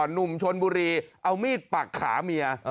หนุ่มชนบุรีเอามีดปักขาเมีย